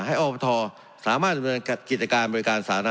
ให้ออปทสามารถจัดการโบราณอันสถาน